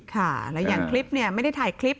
ค่ะแล้วอย่างคลิปเนี่ยไม่ได้ถ่ายคลิป